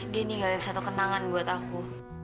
dia ninggalin satu kenangan buat aku